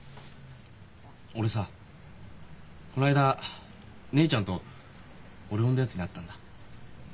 俺さこの間姉ちゃんと俺を産んだやつに会ったんだ。